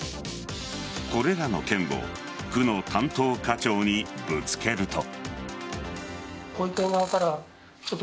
これらの件を区の担当課長にぶつけると。